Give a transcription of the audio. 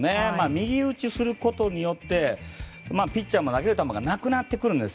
右打ちをすることによってピッチャーも投げる球がなくなってくるんです。